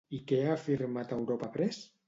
I què ha afirmat Europa Press?